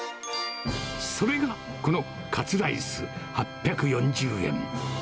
それがこのカツライス８４０円。